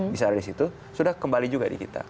bisa ada di situ sudah kembali juga di kita